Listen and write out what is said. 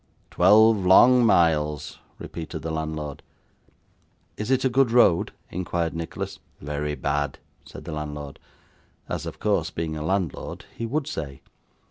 'Twelve long miles,' repeated the landlord. 'Is it a good road?' inquired Nicholas. 'Very bad,' said the landlord. As of course, being a landlord, he would say.